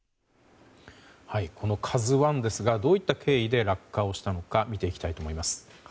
この「ＫＡＺＵ１」ですがどういった経緯で落下をしたのか見ていきたいと思います。